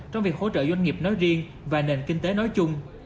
trong việc hỗ trợ doanh nghiệp nói riêng và nền kinh tế nói chung